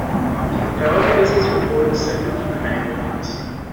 However, this was recorded separate from the main audience.